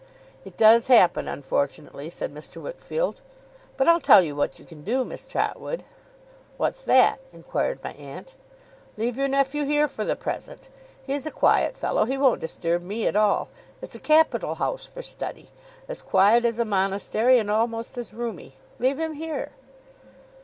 'It does happen unfortunately,' said Mr. Wickfield. 'But I'll tell you what you can do, Miss Trotwood.' 'What's that?' inquired my aunt. 'Leave your nephew here, for the present. He's a quiet fellow. He won't disturb me at all. It's a capital house for study. As quiet as a monastery, and almost as roomy. Leave him here.